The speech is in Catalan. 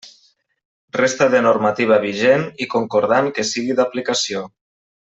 Resta de normativa vigent i concordant que sigui d'aplicació.